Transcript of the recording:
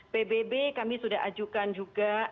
pbb kami sudah ajukan juga